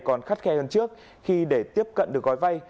còn khắt khe hơn trước khi để tiếp cận được gói vay